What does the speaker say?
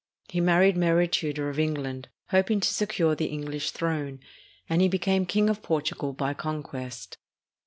He married Mary Tudor of England, hoping to secure the English throne, and he became King of Portugal by conquest.